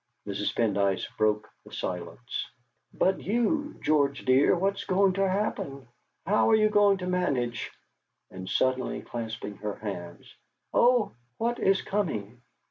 Mrs. Pendyce broke the silence: "But you, George dear? What is going to happen? How are you going to manage?" And suddenly clasping her hands: "Oh! what is coming?"